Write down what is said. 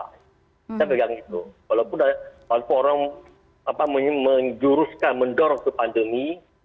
kita pegang itu walaupun orang menjuruskan mendorong pandemi